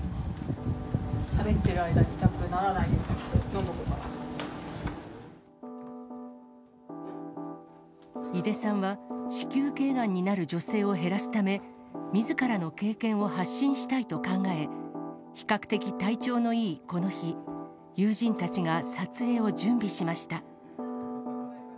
しゃべってる間に痛くならな井出さんは、子宮けいがんになる女性を減らすため、みずからの経験を発信したいと考え、比較的、体調のいいこの日、友人たちが撮影を準備しました。